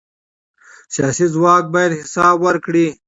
سیاسي ځواک باید حساب ورکړي